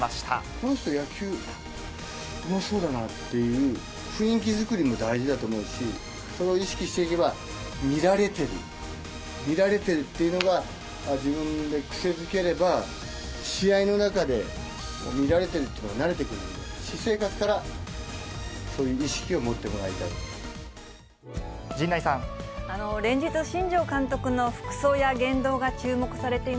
この人、野球うまそうだなっていう雰囲気作りも大事だと思うし、そう意識していけば、見られてる、見られてるっていうのが、自分で癖づければ、試合の中で、見られてるっていうのが慣れてくるので、私生活からそういう意識を持ってもらいたい。